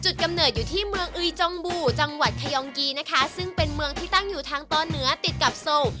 กำเนิดอยู่ที่เมืองอุยจองบูจังหวัดขยองกีนะคะซึ่งเป็นเมืองที่ตั้งอยู่ทางตอนเหนือติดกับโซล